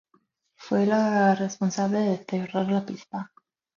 Fue la responsable de cerrar la pista.